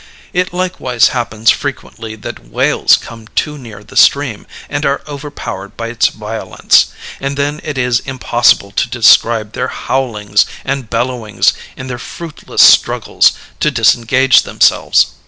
It likewise happens frequently that whales come too near the stream and are overpowered by its violence; and then it is impossible to describe their howlings and bellowings in their fruitless struggles to disengage themselves.